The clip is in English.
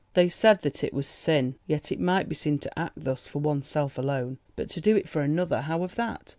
They said that it was sin. Yes, it might be sin to act thus for oneself alone. But to do it for another—how of that!